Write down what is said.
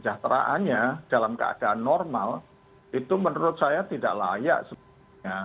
sejahteraannya dalam keadaan normal itu menurut saya tidak layak sebenarnya